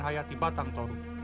hayati batang toru